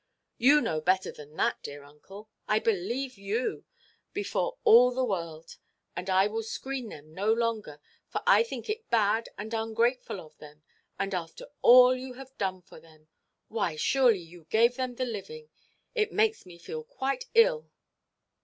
"You know better than that, dear uncle. I believe you, before all the world. And I will screen them no longer, for I think it bad and ungrateful of them. And after all you have done for them! Why, surely, you gave them the living! It makes me feel quite ill.